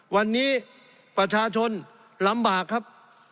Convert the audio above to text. วันนี้ประชาชนลำบากครับ